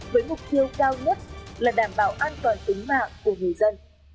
với mục tiêu cao nhất là đảm bảo an toàn tính mạng của người dân